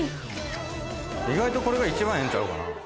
これが一番ええんちゃうかな。